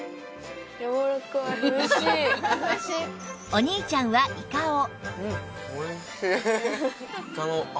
お兄ちゃんはイカを